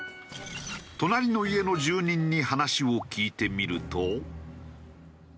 隣の家の住人に話を聞いてみると。